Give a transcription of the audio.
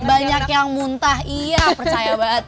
banyak yang muntah iya percaya banget